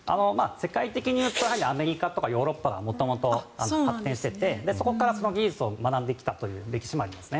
世界的に見るとアメリカとかヨーロッパが元々発展しててそこから技術を学んできたという歴史がありますね。